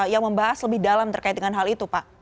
yang membahas lebih dalam terkait dengan hal itu pak